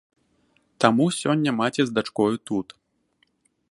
Таму сёння маці з дачкою тут.